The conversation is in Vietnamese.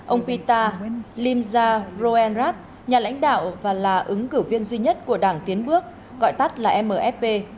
ông pita limza roenrat nhà lãnh đạo và là ứng cử viên duy nhất của đảng tiến bước gọi tắt là mfp